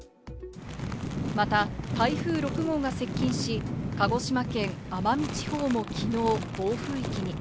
また台風６号が接近し、鹿児島県奄美地方もきのう、暴風域に。